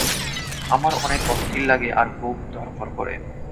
আমার অনেক অস্থির লাগে আর বুক ধরফর করে।